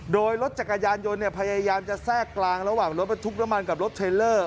โดยรถจักรยานยนต์พยายามจะแทรกกลางระหว่างรถบรรทุกน้ำมันกับรถเทรลเลอร์